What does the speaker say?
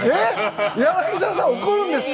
柳澤さん怒るんですか？